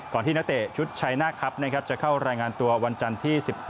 ที่นักเตะชุดชัยหน้าครับจะเข้ารายงานตัววันจันทร์ที่๑๘